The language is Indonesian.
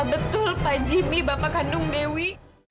betul pak jimmy bapak kandung dewi